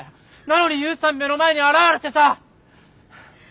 なのに悠さん目の前に現れてさ。